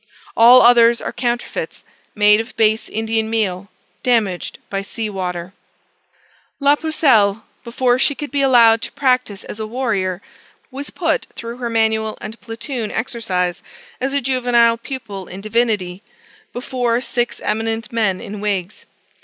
All others are counterfeits, made of base Indian meal, damaged by sea water. La Pucelle, before she could be allowed to practise as a warrior, was put through her manual and platoon exercise, as a juvenile pupil in divinity, before six eminent men in wigs.